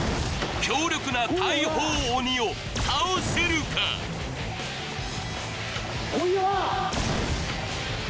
強力な大砲鬼を倒せるかこいよ！